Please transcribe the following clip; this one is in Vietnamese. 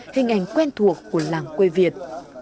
hình ảnh quen thuộc của làng quê việt